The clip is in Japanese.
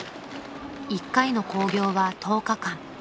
［１回の興行は１０日間］